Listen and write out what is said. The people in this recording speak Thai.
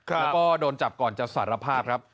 แล้วก็โดนจับก่อนจะสารภาพครับ